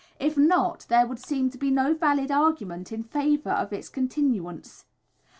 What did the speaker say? If not, there would seem to be no valid argument in favour of its continuance.